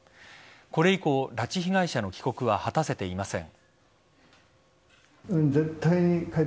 これ以降、拉致被害者の帰国は果たせていません。